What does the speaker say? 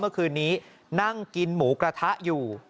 เมื่อคืนนี้นั่งกินหมูกระทะอยู่